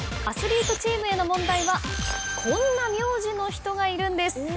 アスリートチームへの問題はこんな名字の人がいるんです。